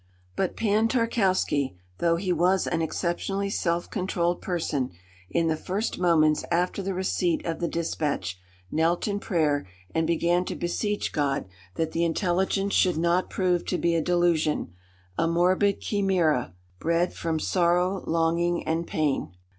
But Pan Tarkowski, though he was an exceptionally self controlled person, in the first moments after the receipt of the despatch, knelt in prayer and began to beseech God that the intelligence should not prove to be a delusion, a morbid chimera, bred from sorrow, longing, and pain.